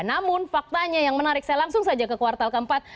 namun faktanya yang menarik saya langsung saja ke kuartal keempat